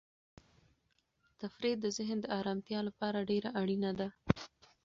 تفریح د ذهن د ارامتیا لپاره ډېره اړینه ده.